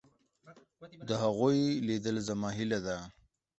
د هغوی لیدل زما هیله ده.